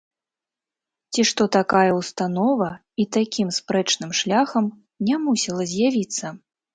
Ці што такая ўстанова і такім спрэчным шляхам не мусіла з'явіцца?